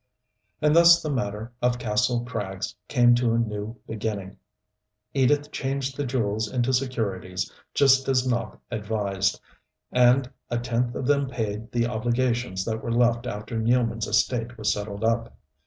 And thus the matter of Kastle Krags came to a new beginning. Edith changed the jewels into securities, just as Nopp advised, and a tenth of them paid the obligations that were left after Nealman's estate was settled up.